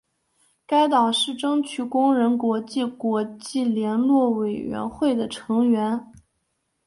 该党是争取工人国际国际联络委员会的成员。